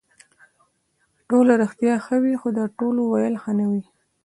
ټول رښتیا ښه وي خو د ټولو ویل ښه نه وي.